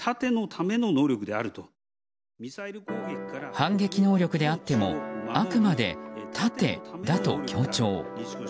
反撃能力であってもあくまで盾だと強調。